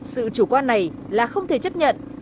sự chủ quan này là không thể chấp nhận